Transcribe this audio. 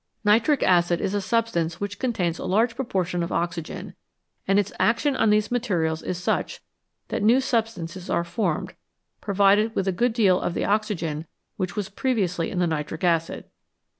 Nitric acid is a substance which contains a large proportion of oxygen, and its action on these materials is such that new substances are formed provided with a good deal of the oxygen which was previously in the nitric acid.